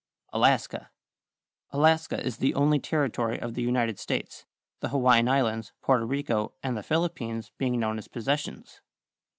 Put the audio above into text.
=Alaska.= Alaska is the only territory of the United States, the Hawaiian Islands, Porto Rico, and the Philippines being known as Possessions.